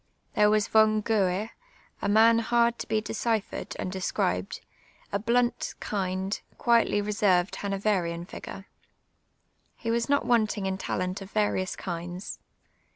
Tliere was Von Goue, & man hard to be deciphered and described, a blunt, kind^ quietly reserved Hanoverian fiij^re. He was not wanting iiu talent of various kinds.